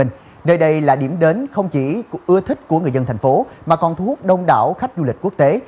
nơi đây là điểm đến không chỉ ưa thích của người dân thành phố mà còn thu hút đông đảo khách du lịch quốc tế